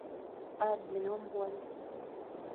A bin nbuan.